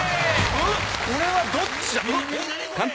これはどっちだえっ？